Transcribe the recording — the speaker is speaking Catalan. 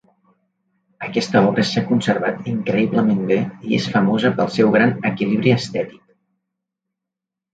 Aquesta obra s'ha conservat increïblement bé i és famosa pel seu gran equilibri estètic.